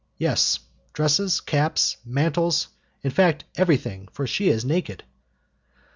"Yes, dresses, caps, mantles in fact, everything, for she is naked."